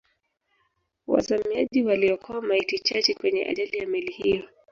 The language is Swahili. wazamiaji waliokoa maiti chache kwenye ajali ya meli hiyo